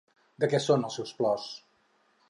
De què són els seus plors?